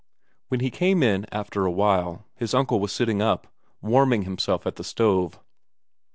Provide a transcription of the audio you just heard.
When he came in after a while, his uncle was sitting up, warming himself at the stove.